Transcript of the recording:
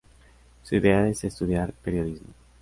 Su idea es estudiar periodismo.